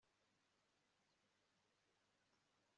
ariko ubu ngubu, ni bwo nibutse ibibi byose nakoreye i yeruzalemu